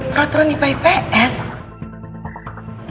peraturan ipa ips